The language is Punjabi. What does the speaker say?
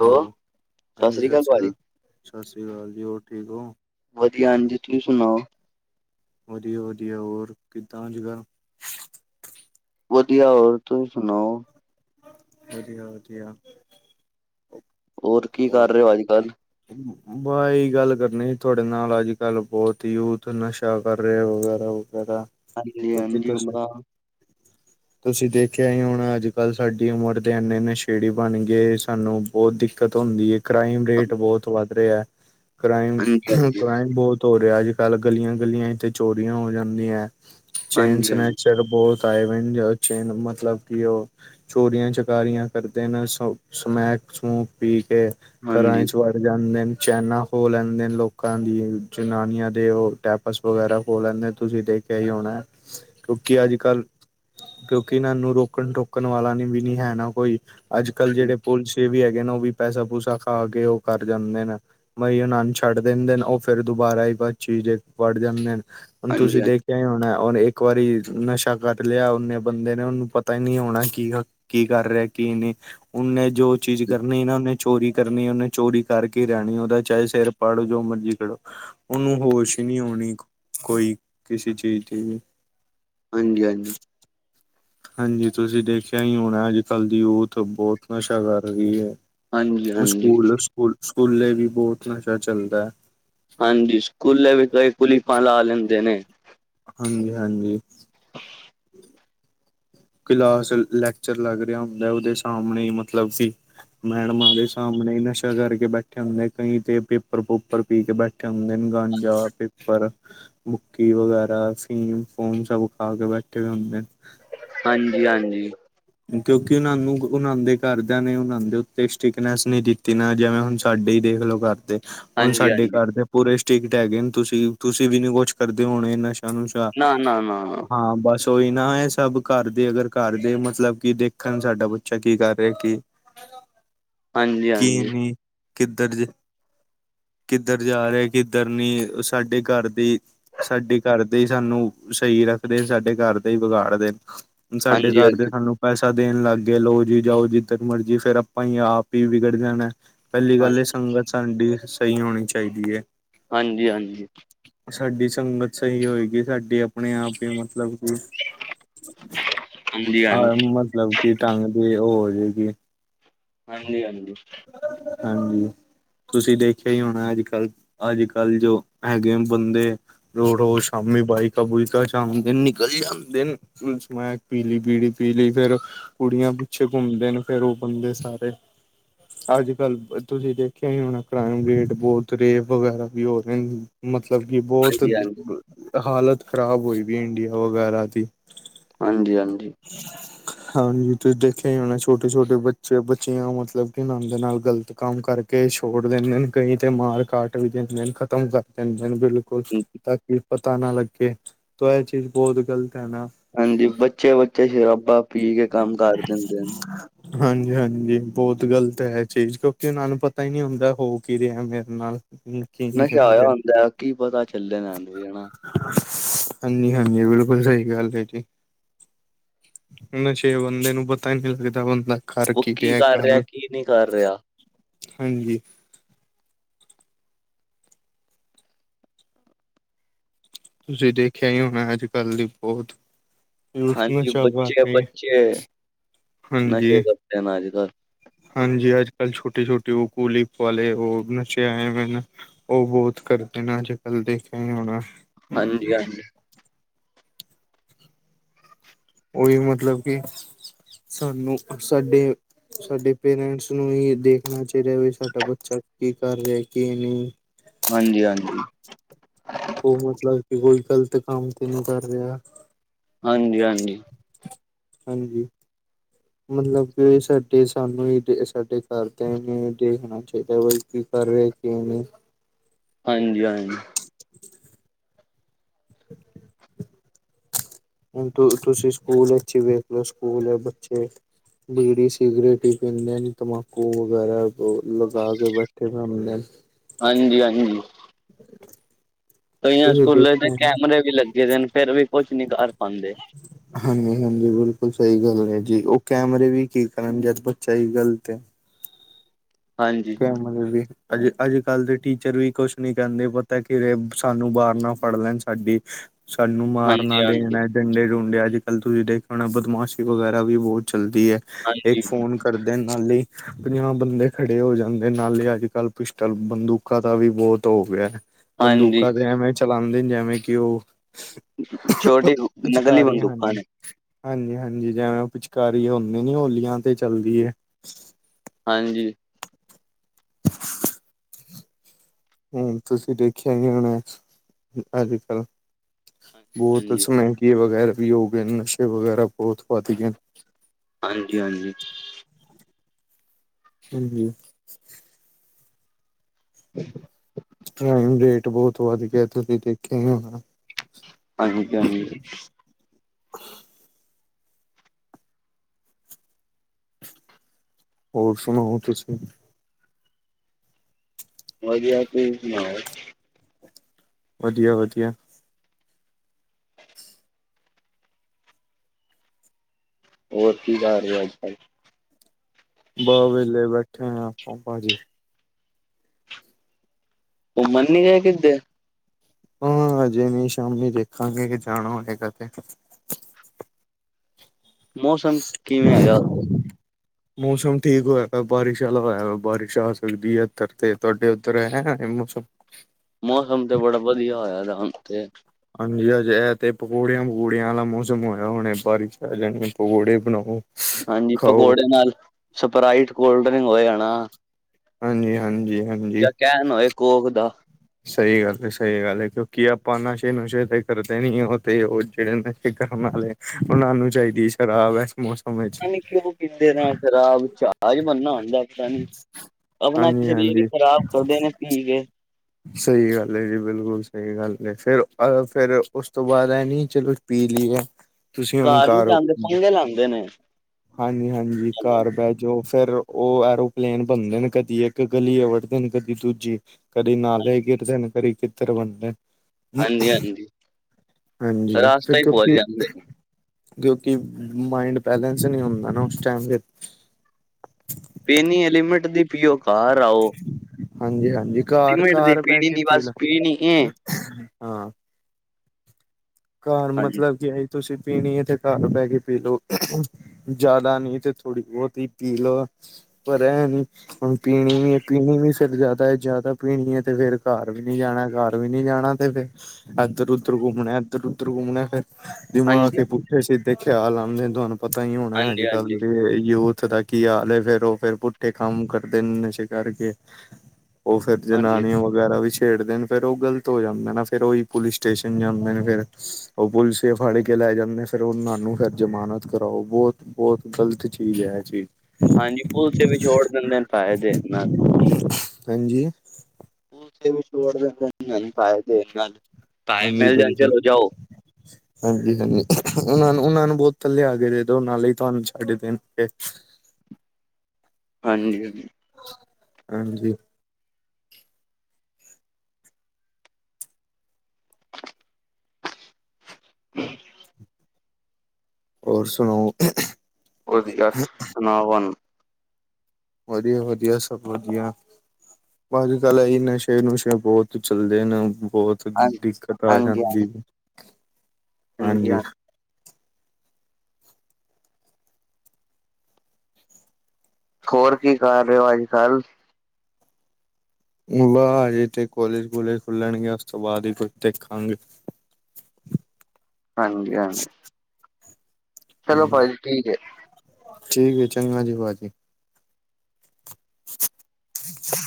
ਹੈਲੋ ਹਾਂਜੀ, ਸਤਿ ਸ਼੍ਰੀ ਅਕਾਲ ਸਤਿ ਸ਼੍ਰੀ ਅਕਾਲ ਜੀ, ਹੋਰ ਠੀਕ ਓ। ਵਧੀਆ ਹਾਂਜੀ, ਤੁਸੀਂ ਸੁਨਾਓ। ਵਦੀਆ-ਵਦੀਆ, ਹੋਰ ਕਿੱਦਾਂ ਅੱਜ-ਕੱਲ? ਵਧੀਆ, ਹੋਰ ਤੁਸੀਂ ਸੁਨਾਓ। ਵਦੀਆ-ਵਦੀਆ। ਹੋਰ ਕੀ ਕਰ ਰੇਓ ਅੱਜ-ਕੱਲ? ਬਾਈ ਏਈ ਗੱਲ ਕਰਨੀ ਸੀ ਤੁਆਡੇ ਨਾਲ, ਅੱਜ-ਕੱਲ ਬੋਤ ਯੂਥ ਨਸ਼ਾ ਕਰ ਰੇਯਾ ਵਗੈਰਾ। ਵਗੈਹਰ, ਹਾਂਜੀ ਬਾਕੀ ਹਾਂਜੀ ਤੁਸੀ ਬੜਾ ਤੁਸੀਂ ਦੇਖੇਆ ਈ ਹੌਣਾ ਅੱਜ-ਕੱਲ ਸਾਡੀ ਉਮਰ ਦੇ ਏਨੇ ਨਸ਼ੇੜੀ ਬਣਗੇ ਸਾਨੂੰ ਬੋਤ ਦਿੱਕਤ ਹੁੰਦੀ ਏ। ਕ੍ਰਾਈਮ ਰੇਟ ਬੋਤ ਵੱਧ ਰੇਯਾ। ਕ੍ਰਾਈਮ ਹਾਂਜੀ ਹਾਂਜੀ ਕ੍ਰਾਈਮ ਬੋਤ ਹੋ ਰਿਹਾ ਅੱਜ ਕਲ ਗਲੀਆਂ ਗਲੀਆ ਚੋਰੀਆਂ ਹੋ ਜਾਂਦੀਆਂ ਚੇਨਸ ਹਾਂਜੀ ਸਨੈ ਹਾਂਜੀ [unintelligible] ਚੋਰੀਆਂ ਚਕਾਰੀਆਂ ਕਰਦੇ ਨੇ ਸਮੈਕ ਸਮੂਕ ਪੀ ਕੇ ਘਰਾਂ ਹਾਂਜੀ ਚ। ਵੜ ਜਾਂਦੇ ਨੇ ਚੈਨਾ ਖੋ ਲੈਂਦੇ ਨੇ ਲੋਕਾਂ ਦੀ ਜਨਾਨੀਆਂ ਦੇ ਉਹ ਟੈ ਪਰਸ ਵਗੈਰਾ ਖੋ ਲੈਂਦੇ ਤੁਸੀਂ ਦੇਖਿਆ ਹੀ ਹੋਣਾ ਕਿਉਂਕਿ ਅੱਜ ਕੱਲ ਕਿਉਂਕਿ ਨਾ ਇਹਨੂੰ ਰੋਕਣ ਟੋਕਣ ਵਾਲਾ ਨੀ ਵੀ ਨੀ ਹੈ ਨਾ ਕੋਈ। ਅੱਜ ਕੱਲ ਜਿਹੜੇ ਪੁਲਿਸ ਵੀ ਹੈਗੇ ਨੇ ਉਹ ਵੀ ਪੈਸਾ ਪੂਸਾ ਖਾ ਕੇ ਉਹ ਕਰ ਜਾਂਦੇ ਨੇ ਬਈ ਉਹਨਾ ਨੂੰ ਛੱਡ ਦਿੰਦੇ ਨੇ ਉਹ ਫੇਰ ਦੁਬਾਰਾ ਹੀ [unintelligible] ਜੇ ਪੜ ਜਾਂਦੇ ਨੇ। ਹੁਣ ਹਾਂਜੀ ਹਾਂਜੀ ਤੁਸੀਂ ਹਾਂਜੀ ਦੇਖਿਆ ਹੀ ਹੋਣਾ ਉਹ ਇੱਕ ਇੱਕ ਵਾਰੀ ਨਸ਼ਾ ਕਰ ਲਿਆ ਓਨੇ ਬੰਦੇ ਨੇ ਉਹਨੂੰ ਪਤਾ ਹੀ ਨਹੀ ਹੋਣਾ ਕੀ ਕੀ ਕਰ ਰਿਹਾ ਕੀ ਨਹੀਂ ਉਹਨੇ ਜੋ ਚੀਜ਼ ਕਰਨੀ ਨਾ ਉਹਨੇ ਚੋਰੀ ਕਰਨੀ ਉਹਨੇ ਚੋਰੀ ਕਰਕੇ ਰਹਿਣੀ ਉਹਦਾ ਚਾਹੇ ਸਿਰ ਪਾੜੋ ਜੋ ਮਰਜ਼ੀ ਕਰੋ ਉਹਨੂੰ ਹੋਸ਼ ਹੀ ਨਹੀ ਆਉਣੀ। ਕੋਈ ਕਿਸੇ ਚੀਜ਼ ਦੀ ਵੀ। ਹਾਂਜੀ ਹਾਂਜੀ। ਹਾਂਜੀ ਤੁਸੀਂ ਦੇਖਿਆ ਹੀ ਹੋਣਾ ਅੱਜ ਕੱਲ ਦੀ ਯੂਥ ਬਹੁਤ ਨਸ਼ਾ ਕਰ ਰਹੀ ਹੈ। ਹਾਂਜੀ ਹਾਂਜੀ ਸਕੂਲ ਸਕੂਲ ਸਕੂਲੇ ਵੀ ਬਹੁਤ ਨਸ਼ਾ ਚੱਲਦਾ ਹੈ। ਹਾਂਜੀ ਸਕੂਲੇ ਵੀ ਕਈ ਕੁਲੀਪਾਂ ਲਾ ਲੈਂਦੇ ਨੇ। ਹਾਂਜੀ ਹਾਂਜੀ। [inaudible] ਕਲਾਸ ਲੈਕਚਰ ਲੱਗ ਰਿਹਾ ਹੁੰਦਾ ਉਹਦੇ ਸਾਹਮਣੇ ਮਤਲਬ ਕਿ ਮੈਡਮਾਂ ਦੇ ਸਾਹਮਣੇ ਨਸ਼ਾ ਕਰਕੇ ਬੈਠੇ ਹੁੰਦੇ ਕਈ ਤੇ ਪੇਪਰ ਪੋਪਰ ਪੀ ਕੇ ਬੈਠੇ [unintelligible] ਭੁੱਕੀ ਵਗੈਰਾ ਫੀਮ ਫੂਮ ਸਭ ਖਾ ਕੇ ਬੈਠੇ ਹੋਏ ਹੁੰਦੇ। ਹਾਂਜੀ ਹਾਂਜੀ। ਕਿਉਂਕਿ ਉਹਨਾਂ ਨੂੰ ਉਹਨਾਂ ਦੇ ਘਰਦਿਆਂ ਨੇ ਉਹਨਾਂ ਦੇ ਉੱਤੇ ਸਟਿਕਨੈਸ ਨਹੀਂ ਦਿੱਤੀ ਤੇ ਨਾ ਜਿਵੇਂ ਹੁਣ ਸਾਡੇ ਹੀ ਦੇਖਲਓ ਘਰਦੇ। ਹੁਣ ਹਾਂਜੀ ਸਾਡੇ ਹਾਂਜੀ ਘਰ ਦੇ ਪੂਰੇ ਸਟਿਕਡ ਹੈਗੇ ਨੇ ਤੁਸੀਂ ਤੁਸੀਂ ਵੀ ਨੀ ਕੁਛ ਕਰਦੇ ਹੋਣੇ ਨ ਨੁਸ਼ਾ ਨਾ ਨਾ ਨਾ ਹਾਂ ਬਸ ਉਹੀ ਨਾ ਇਹ ਸਭ ਘਰ ਦੇ ਅਗਰ ਘਰ ਦੇ ਮਤਲਬ ਕੀ ਦੇਖਣ ਸਾਡਾ ਬੱਚਾ ਕੀ ਕਰ ਰਿਹਾ ਕੀ ਹਾਂਜੀ ਕੀ ਹਾਂਜੀ ਨਹੀਂ। ਕਿੱਧਰ ਕਿੱਧਰ ਜਾ ਰਿਹਾ ਕਿੱਧਰ ਨੀ ਸਾਡੇ ਘਰ ਦੀ ਸਾਡੇ ਘਰ ਦੇ ਹੀ ਸਾਨੂੰ ਸਹੀ ਰੱਖਦੇ ਸਾਡੇ ਘਰ ਦੇ ਹੀ ਵਿਗਾੜਦੇ ਨੇ। ਹੁਣ ਸਾਡੇ ਹਾਂਜੀ ਘਰ ਦੇ ਹਾਂਜੀ ਸਾਨੂੰ ਪੈਸਾ ਦੇਣ ਲੱਗ ਗਏ ਲੋਓ ਜੀ ਜਾਓ ਜਿੱਧਰ ਮਰਜੀ ਫੇਰ ਆਪਾਂ ਹੀ ਆਪ ਹੀ ਵਿਗੜ ਜਾਣਾ। ਪਹਿਲੀ ਗੱਲ ਹਾਂਜੀ ਏ ਸੰਗਤ ਸਾਡੀ ਸਹੀ ਹੋਣੀ ਚਾਹੀਦੀ ਹੈ। ਹਾਂਜੀ ਹਾਂਜੀ। ਸਾਡੀ ਸੰਗਤ ਸਹੀ ਹੋਏਗੀ ਸਾਡੀ ਆਪਣੇ ਆਪ ਹੀ ਮਤਲਬ ਕਿ ਹਾਂਜੀ ਆ ਹਾਂਜੀ ਮਤਲਬ ਕਿ ਢੰਗ ਦੇ ਓੁਹ ਹੋ ਜਾਏਗੀ ਹਾਂਜੀ ਹਾਂਜੀ। ਹਾਂਜੀ। ਤੁਸੀਂ ਦੇਖਿਆ ਹੀ ਹੋਣਾ ਅੱਜ ਕੱਲ੍ਹ ਅੱਜ ਕੱਲ੍ਹ ਜੋ ਹੈਗੇ ਬੰਦੇ ਰੋਜ਼ ਰੋਜ਼ ਸ਼ਾਮੀ ਬਾਈਕਾਂ ਬੁਇਕਾਂ ਸ਼ਾਮ ਦਿਨ ਨਿਕਲ ਜਾਂਦੇ ਨੇ ਸਮੈਕ ਪੀਲੀ ਬੀਡੀ ਪੀ ਲਈ ਫੇਰ ਕੁੜੀਆਂ ਪਿੱਛੇ ਘੁੰਮਦੇ ਨੇ ਫੇਰ ਉਹ ਬੰਦੇ ਸਾਰੇ ਅੱਜ ਕੱਲ ਤੁਸੀਂ ਦੇਖਿਆ ਹੀ ਹੋਣਾ ਕ੍ਰਾਈਮ ਰੇਟ ਬਹੁਤ ਰੇਪ ਵਗੈਰਾ ਵੀ ਹੋ ਰਹੇ ਨੇ। ਮਤਲਬ ਕਿ ਬਹੁਤ ਹਾਲਤ ਖ਼ਰਾਬ ਹੋਈ ਵੀ ਇੰਡੀਆ ਵਗੈਰਾ ਦੀ। ਹਾਂਜੀ ਹਾਂਜੀ ਹਾਂਜੀ ਤੁਸੀਂ ਦੇਖਿਆ ਹੀ ਹੋ ਨਾ ਛੋਟੇ ਛੋਟੇ ਬੱਚੇ ਬੱਚੀ ਮਤਲਬ ਆਨੰਦ ਨਾਲ ਗ਼ਲਤ ਕੰਮ ਕਰਕੇ ਛੋੜ ਦਿੰਦੇ ਨੇ ਕਈ ਤੇ ਮਾਰ ਕਾਟ ਵੀ ਦਿੰਦੇ ਨੇ ਖ਼ਤਮ ਕਰ ਤਿੰਨ ਦਿਨ ਬਿਲਕੁਲ ਹਾਂਜੀ ਤਾਂ ਕਿ ਪਤਾ ਨਾ ਲੱਗੇ ਪਰ ਇਹ ਚੀਜ਼ ਬਹੁਤ ਗਲਤ ਹੈ ਨਾ। ਹਾਂਜੀ ਬੱਚੇ ਬੱਚੇ ਸ਼ਰਾਬਾ ਪੀ ਕੇ ਕੰਮ ਕਰ ਦਿੰਦੇ ਹਾਂਜੀ ਹਾਂਜੀ ਬਹੁਤ ਬਹੁਤ ਗਲਤ ਹੈ ਚੀਜ਼ ਕਿਉਂਕਿ ਉਹਨਾਂ ਨੂੰ ਪਤਾ ਹੀ ਨਹੀਂ ਹੁੰਦਾ ਹੋ ਕੀ ਰਿਹਾ ਮੇਰੇ ਨਾਲ ਕੀ ਨਹੀਂ ਨਸ਼ਾ ਹੋ ਹੋਇਆ ਰਿਹਾ। ਹੁੰਦਾ ਕੀ ਪਤਾ ਚੱਲੇ [unintelligible] ਹਾਂਜੀ ਹਾਂਜੀ ਬਿਲਕੁਲ ਸਹੀ ਗੱਲ ਹੈ ਜੀ। ਨਸ਼ੇ ਬੰਦੇ ਨੂੰ ਪਤਾ ਨਹੀਂ ਚੱਲੀ ਦਾ ਹੁੰਦਾ। ਉਹ ਕੀ ਕਰ ਰਿਹਾ ਕੀ ਨਹੀਂ ਕਰ ਰਿਹਾ। ਹਾਂਜੀ ਤੁਸੀਂ ਦੇਖਿਆ ਹੀ ਹੋਣਾ ਅੱਜ ਕੱਲ ਦੀ ਬਹੁਤ ਯੂਥ ਹਾਂਜੀ ਨਸ਼ਾ ਕਰ ਬੱਚੇ ਰਹੀ ਹੈ। ਬੱਚੇ ਨਸ਼ੇ ਕਰਦੇ ਨੇ ਅੱਜ ਕੱਲ। ਹਾਂਜੀ ਅੱਜ ਕੱਲ ਛੋਟੀ ਛੋਟੀ ਉਹ ਕੂਲਿਪ ਵਾਲੇ ਉਹ ਨਸ਼ੇ ਆਏ ਹੋਏ ਹਨ। ਉਹ ਬਹੁਤ ਕਰਦੇ ਨੇ ਅੱਜ ਕੱਲ ਦੇਖਿਆ ਹੋਣਾ। ਹਾਂਜੀ ਹਾਂਜੀ ਉਹੀ ਮਤਲਬ ਕਿ ਸਾਨੂੰ ਸਾਡੇ ਸਾਡੇ ਪੇਰੈਂਟਸ ਨੂੰ ਹੀ ਦੇ ਹੋਣਾ ਚਾਹੀਦਾ ਵੀ ਸਾਡਾ ਬੱਚਾ ਕੀ ਕਰ ਰਿਹਾ ਕੀ ਨਹੀਂ। ਹਾਂਜੀ ਹਾਂਜੀ ਉਹ ਮਤਲਬ ਕਿ ਕੋਈ ਗ਼ਲਤ ਕੰਮ ਤੇ ਨਹੀਂ ਕਰ ਰਿਹਾ। ਹਾਂਜੀ ਹਾਂਜੀ ਹਾਂਜੀ ਮਤਲਬ ਕਿ ਸਾਡੇ ਸਾਨੂੰ ਹੀ ਸਾਡੇ ਘਰਦਿਆਂ ਨੇ ਦੇਖਣਾ ਚਾਹੀਦਾ ਬਲਕਿ ਕੀ ਕਰ ਰਹੇ। ਕਿ ਨਹੀਂ। ਹਾਂਜੀ ਹਾਂਜੀ [inaudible] [unintelligible] ਹੁਣ ਤੁਸੀਂ ਸਕੂਲ ਵਿੱਚ ਵੇਖ ਲੋ ਸਕੂਲ ਐ ਬੱਚੇ। ਬੀੜੀ ਸਿਗਰੇਟ ਹੀ ਪੀਂਦੇ ਨੇ ਤੰਬਾਕੂ ਵਗੈਰਾ ਲਗਾ ਕੇ ਬੈਠੇ ਰਹਿੰਦੇ [inaudible] ਹਾਂਜੀ ਹਾਂਜੀ [inaudible] ਕਈਆਂ ਤੁਸੀਂ ਸਕੂਲੇ ਚ ਦੇਖਿਆ ਕੈਮਰੇ ਵੀ ਲੱਗੇ ਦੇ ਨੇ ਫਿਰ ਵੀ ਕੁਛ ਨੀ ਕਰ ਪਾਉਂਦੇ। ਹਾਂਜੀ ਹਾਂਜੀ ਬਿਲਕੁਲ ਸਹੀ ਗੱਲ ਹੈ ਜੀ ਉਹ ਕੈਮਰੇ ਵੀ ਕੀ ਕਰਨ ਜਦ ਬੱਚਾ ਹੀ ਗ਼ਲਤ ਹੈ। ਹਾਂਜੀ [unintelligible] ਅੱਜ ਅੱਜ ਕੱਲ ਦੇ ਟੀਚਰ ਵੀ ਕੁਛ ਨੀ ਕਹਿੰਦੇ ਪਤਾ ਕਿਰੇ ਸਾਨੂੰ ਬਾਹਰ ਨਾ ਫੜ ਲੈਣ ਸਾਡੀ। ਸਾਨੂੰ ਮਾਰਨਾ ਹਾਂਜੀ-ਹਾਂਜੀ, ਹਾਂਜੀ, ਦੇਣਾ। ਡੰਡੇ ਡੁੰਡੇ ਅੱਜ ਕੱਲ ਤੁਸੀਂ ਦੇਖਿਆ ਹੋਣਾ ਬਦਮਾਸ਼ੀ ਵਗੈਰਾ ਵੀ ਬਹੁਤ ਚੱਲਦੀ ਐ। ਇੱਕ ਹਾਂਜੀ ਫੋਨ ਕਰਦੇ ਨਾਲੇ ਪੰਜਾਹ ਬੰਦੇ‌ ਖ ਤੇ ਹੋ ਜਾਂਦੇ ਨਾਲੇ ਅੱਜ ਕੱਲ ਪਿਸਟਲ ਬੰਦੂਕਾਂ ਦਾ ਵੀ ਬਹੁਤ ਹੋ ਗਿਆ। ਹਾਂਜੀ ਬੰਦੂਕਾਂ ਤੇ ਐਵੇਂ ਚਲਾਉਂਦੇ ਨੇ ਜਿਵੇਂ ਕਿ ਉਹ ਛੋਟੀ ਨਕਲੀ ਪਿਚਕਾਰੀਆਂ ਬੰਦੂਕਾਂ ਹਾਂਜੀ। ਨੇ ਹਾਂਜੀ-ਹਾਂਜੀ ਜਿਵੇਂ ਪਿਚਕਾਰੀ ਹੁੰਦੀ ਨੀ ਹੋਲੀਆਂ ਤੇ ਚੱਲਦੀ ਹਾਂਜੀ, ਏ। ਹਾਂਜੀ ਹੁਣ ਤੁਸੀਂ ਦੇਖਿਆ ਵੀ ਹੋਨਾ ਅੱਜ ਕੱਲ ਬੋਤ ਹਾਂਜੀ, ਹਾਂਜੀ, ਸਮੇ ਈ ਵਗੈਰਾ ਵੀ ਹੋ ਗਏ ਨਸ਼ੇ ਵਗੈਰਾ ਬੋਤ ਵੱਧ ਗਏ। ਹਾਂਜੀ-ਹਾਂਜੀ ਹਾਂਜੀ [inaudible] ਟਰਾਈਮ ਰੇਟ ਬੋਤ ਵੱਧ ਗਿਆ ਤੁਸੀ ਦੇਖਿਆ ਹੀ ਹੋਣਾ। ਹਾਂਜੀ-ਹਾਂਜੀ ਹੋਰ ਸੁਣਾਓ ਤੁਸੀ ਵਧੀਆ ਤੁਸੀ ਸੁਣਾਓ। ਵਧੀਆ-ਵਧੀਆ ਹੋਰ ਕੀ ਕਰ ਰਏ ਓ ਅੱਜ ਕੱਲ ਬ ਵੇਲੇ ਬੈਠੇ ਆ ਆਪਾਂ ਜੀ। ਘੁੰਮਨ ਨਈ ਕਿਦੇ ਹਾਂ ਹਜੇ ਨਈ ਸ਼ਾਮੀ ਦੇਖਾਂਗੇ ਜਾਣਾ ਕੇ ਹੋਗੇ ਤੇ ਮੌਸਮ ਕਿਵੇ ਹੈਗਾ ਉਧਰ ਮੌਸਮ ਠੀਕ ਹੋਇਆ ਵ ਬਾਰਿਸ਼ ਵਾਲਾ ਹੋਇਆ ਵਾ ਬਾਰਿਸ਼ ਆ ਸਕਦੀ ਐ ਇੱਧਰ ਤੇ ਤੁਹਾਡੇ ਉੱਧਰ ਹੈ ਮੌਸਮ ਮੌਸਮ ਤੇ ਬੜਾ ਵਧੀਆ ਹੋਇਆ ਦਾ ਹੁਣ ਤੇ ਹਾਂਜੀ ਅੱਜ ਇਹ ਤੇ ਪਕੌੜਿਆਂ-ਪਕੌੜਿਆਂ ਵਾਲਾ ਮੌਸਮ ਹੋਇਆ ਹੁਣੇ ਬਾਰਿਸ਼ ਆ ਜਾਣੀ ਪਕੌੜੇ ਬਣਾਓ। ਹਾਂਜੀ ਖਾਓ ਪਕੌੜੇ ਨਾਲ ਸਪਰਾਈਟ ਕੋਲਡ ਡਰਿੰਕ ਹੋਏ ਹਨਾ। ਹਾਂਜੀ-ਹਾਂਜੀ-ਹਾਂਜੀ ਕੈਣ ਹੋਏ ਕੋਕ ਦਾ ਸਈ ਗੱਲ ਏ ਸਈ ਗੱਲ ਏ ਕਿਉਂਕਿ ਆਪਾਂ ਨਸ਼ੇ ਨੁਸ਼ੇ ਤੇ ਕਰਦੇ ਨੀ ਓ ਤੇ ਓ ਜੇੜੇ ਨੇ। ਤੇ ਕਰਨ ਆਲੇ ਉਨਾਂ ਨੂੰ ਚਾਈਦੀ ਸ਼ਰਾਬ ਐਸ ਮੌਸ ਪਤਾ ਨਈ ਕਿਉਂ ਪੀਂਦੇ ਨੇ ਸ਼ਰਾਬ ਜਾਜ ਬਣਨਾ ਹੁੰਦਾ ਪਤਾ ਨਈ। ਆਪਣਾ ਹਾਂਜੀ ਸਰੀਰ ਈ ਹਾਂਜੀ ਖ਼ਰਾਬ ਕਰਦੇ ਨੇ ਪੀ ਕੇ ਸਈ ਗੱਲ ਏ ਜੀ ਬਿਲਕੁਲ ਸਈ ਗੱਲ ਏ ਫਿਰ ਅ ਫਿਰ ਉਸ ਤੋਂ ਬਾਦ ਐ ਨੀ ਚਲੋ। ਪੀ ਲੀ ਏ। ਤੁਸੀਂ ਹੁਨ ਘਰ ਨੀ ਘਾਰ ਹੋ ਜਾਂਦੇ ਪੰਗੇ ਲਾਂਦੇ ਨੇ ਹਾਂਜੀ-ਹਾਂਜੀ ਘਾਰ ਬੈ ਓ ਫਿਰ ਓ ਐਰੋਪਲੇਨ ਬਣਦੇ ਨੇ ਕਦੀ ਇੱਕ ਗਲੀ ਵੜਦੇ ਔਰ ਕਦੀ ਦੂਜੀ ਕਰੀ ਨਾਲ ਕਈ ਗਿਰਦੇ ਨੇ ਗਲੀ 'ਚ ਫਿਰ ਬਣਦੇ ਹਾਂਜੀ ਹਾਂਜੀ ਹਾਂਜੀ ਰਾਸਤਾ ਫਿਰ ਹੀ ਚੁੱਕ ਭੁੱਲ ਕੇ ਜਾਂਦੇ ਨੇ ਕਿਉਂਕਿ ਮਾਇੰਡ ਬੈਲੇੈਂਸ ਨਈ ਹੁੰਦਾ ਨਾ ਉਸ ਟਾਈਮ ਫਿਰ ਪੀਨੀ ਐ ਲੀਮਿੰਟ ਦੀ ਪੀਓ ਘਾਰ ਆਓ। ਹਾਂਜੀ-ਹਾਂਜੀ ਲਿਮਿਟ ਦੀ ਘਾਰ-ਘਾਰ ਪੀਣੀ ਬਹਿਕੇ ਨੀ ਪੀ ਬਸ ਲੋ। ਪੀਣੀ ਏ ਘਾਰ ਹਾਂਜੀ ਮਤਲਬ ਜੇ ਤੁਸੀ ਪੀਨੀ ਏ ਤੇ ਘਾਰ ਬੈ ਕੇ ਪੀ ਲੋ। ਜਾਦਾ ਨੀ ਤੇ ਥੋੜੀ ਬੋਤ ਈ ਪੀ ਲੋ ਪਰ ਐ ਨੀ ਹੁਣ ਪੀਣੀ ਵੀ ਪੀਣੀ ਵੀ ਫਿਰ ਜਾਦਾ-ਜਾਦਾ ਪੀਣੀ ਹੈ ਤੇ ਫੇਰ ਘਰ ਵੀ ਨੀ ਜਾਣਾ ਘਰ ਵੀ ਨੀ ਜਾਣਾ। ਤੇ ਫਿਰ ਇੱਧਰ ਉਧਰ ਘੁੰਮਣਾ ਇਧਰ-ਉਧਰ ਘੁੰਮਣਾ ਫਿਰ ਦਿਮਾਗ ਹਾਂਜੀ ਕੇ ਪੱਠੇ-ਸਿੱਧੇ ਖਿਆਲ ਆਂਦੇ ਆ ਤੁਹਾਨੂੰ ਪਤਾ ਈ ਹੋਨਾ ਹਾਂਜੀ, ਅੱਜ ਕੱਲ ਹਾਂਜੀ, ਦੇ ਯੂਥ ਥ ਦਾ ਕੀ ਹਾਲ ਹੈ ਫਿਰ ਓ ਪੁੱਠੇ ਕੰਮ ਕਰਦੇ ਨੇ ਨਸ਼ੇ ਕਰਕੇ ਓ ਫਿਰ ਹਾਂਜੀ, ਜਨਾਨੀਆਂ ਵੱਲ ਵਗੈਰਾ ਵੀ ਛੇੜਦੇ ਨੇ ਫੇਰ ਓ ਗਲਤ ਹੋ ਜਾਂਦੇ ਨਾ ਫਿਰ ਓਈ ਪੁਲਿਸ ਸਟੇਸ਼ਨ ਜਾਂਦੇ ਨੇ ਫਿਰ ਓ ਪੁਲਿਸ ਫੜ ਕੇ ਲੈ ਜਾਂਦੇ ਫਿਰ ਉਨਾਂ ਨੂੰ ਫਿਰ ਜ਼ਮਾਨਤ ਕਰਾਓ ਬੋਤ ਬੋਤ ਗ਼ਲਤ ਚੀਜ਼ ਐ-ਐ ਚੀਜ਼। ਹਾਂਜੀ ਪੁਲਸੀਏ ਵੀ ਛੋੜ ਦਿੰਦੇ ਨੇ ਫਾਇਦੇ [unintelligible] ਹਾਂਜੀ। ਪੁਲਸੀਏ ਵੀ ਛੋੜ ਦਿੰਦੇ ਨੇ [unintelligible] ਹਾਂਜੀ ਮਿਲ ਜਾਣ ਬਿਲਕੁਲ। ਚਲੋ ਜਾਓ, ਹਾਂਜੀ-ਹਾਂਜੀ ਉਨਾਂ ਨੂੰ ਉਨਾਂ ਨੂੰ ਬੋਤਲ ਲਿਆ ਕੇ ਦੇ ਦੋ ਨਾਲੇ ਈ ਤੁਹਾਨੂੰ ਛੱਡ ਦੇਣਗੇ। ਹਾਂਜੀ-ਹਾਂਜੀ। ਹਾਂਜੀ। [inaudible] ਓਰ ਸੁਣਾਓ? ਵਧੀਆ [unintelligible] ਵਧੀਆ-ਵਧੀਆ ਸਭ ਵਧੀਆ। ਭਾਅਜੀ ਗੱਲ ਐ ਨਸ਼ੇ-ਨੁਸ਼ੇ ਬੋਤ ਚੱਲਦੇ ਨੇ ਬੋ ਡ ਹਾਂਜੀ, ਦਿੱਕਤ ਆ ਹਾਂਜੀ, ਹਾਂਜੀ, ਜਾਂਦੀ ਹਾਂਜੀ। ਹੋਰ ਕੀ ਕਰ ਰਿਓ ਅੱਜ-ਕੱਲ? ਵਾ ਜੇ ਤੇ ਕੋਲੇਜ ਕੂਲਜ ਖੁੱਲਣਗੇ ਉਸ ਤੋਂ ਬਾਦ ਈ ਕੁਝ ਦੇਖਾਂਗੇ। ਹਾਂਜੀ [unintelligible] ਚਲੋ ਭਾਅਜੀ ਠੀਕ ਏ। ਠੀਕ ਐ ਚੰਗਾ ਜੀ ਭਾਅਜੀ। [inaudible]